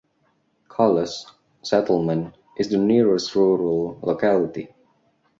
Kolos (settlement) is the nearest rural locality.